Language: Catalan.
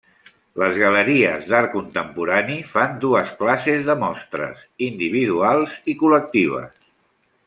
Les galeries d'art contemporani fan dues classes de mostres: individuals i col·lectives.